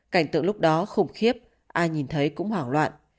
cảnh tượng lúc đó khủng khiếp ai nhìn thấy cũng hoảng loạn